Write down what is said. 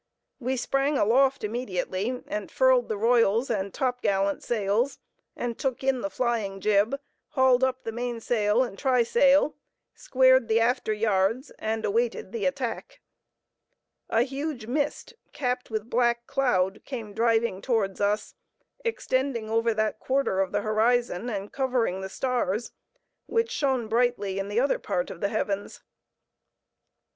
We sprang aloft immediately and furled the royals and top gallant sails, and took in the flying jib, hauled up the mainsail and trysail, squared the after yards and awaited the attack. A huge mist capped with black cloud came driving towards us, extending over that quarter of the horizon, and covering the stars, which shone brightly in the other part of the heavens.